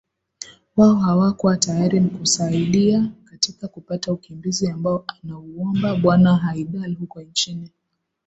wao hawakuwa tayari mkusaidia katika kupata ukimbizi ambao anauomba bwana haidal huko nchini